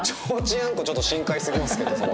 ちょっと深海すぎますけど。